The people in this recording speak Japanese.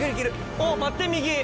おっ待って右。